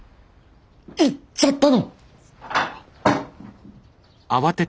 言っちゃったの！？